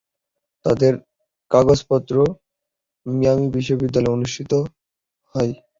তাদের কাগজপত্র মিয়ামি বিশ্ববিদ্যালয়ে অনুষ্ঠিত হয়।